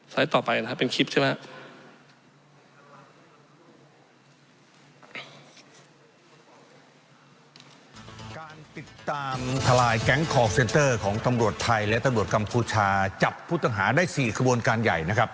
สไลด์ต่อไปนะครับเป็นคลิปใช่ไหมครับ